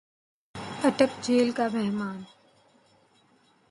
اٹک jail کا مہمان